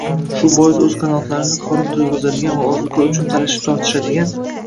shu bois, o‘z qanotlarini qorin to‘yg‘izadigan va ozuqa uchun talashib-tortishadigan